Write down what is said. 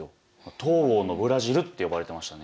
東欧のブラジルって呼ばれてましたね。